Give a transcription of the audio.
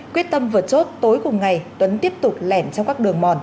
quyết tâm vượt chốt tối cùng ngày tuấn tiếp tục lẻn trong các đường mòn